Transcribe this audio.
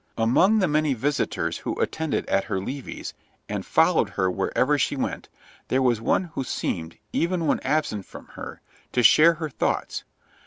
Among the many visitors who attended at her levees, and followed her wherever she went, there was one who seemed, even when absent from her, to share her thoughts.